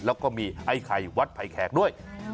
แล้วก็มีไอ้ไข่วัดไผ่แขกด้วย